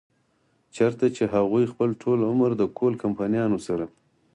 چرته چې هغوي خپل ټول عمر د کول کمپنيانو سره